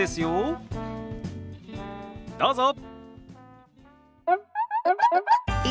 どうぞ！